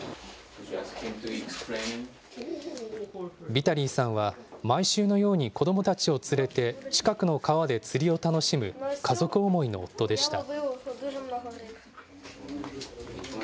ビタリーさんは毎週のように子どもたちを連れて近くの川で釣りを楽しむ家族思いの夫でした。